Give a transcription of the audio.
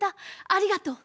ありがとう。